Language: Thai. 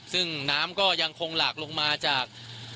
ซึ่งน้ำก็ยังคงหลากลงมาจาก